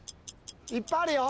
いっぱいあるよ。